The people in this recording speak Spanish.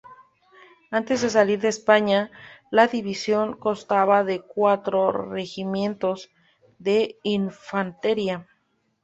Antes de salir de España, la división constaba de cuatro regimientos de infantería.